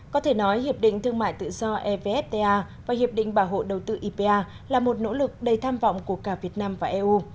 có thể nói hiệp định thương mại tự do evfta và hiệp định bảo hộ đầu tư ipa là một nỗ lực đầy tham vọng của cả việt nam và eu